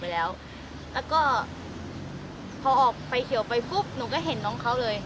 แล้วก็พอออกไฟเขียวไปปุ๊บหนูก็เห็นน้องเขาเลย